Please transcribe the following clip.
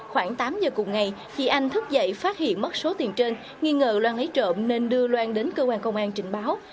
khoảng tám giờ cùng ngày chị anh thức dậy phát hiện mất số tiền trên nghi ngờ loan lấy trộm nên đưa loan đến cơ quan công an trình báo